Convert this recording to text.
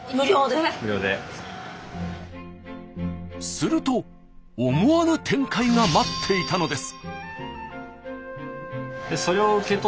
すると思わぬ展開が待っていたのです。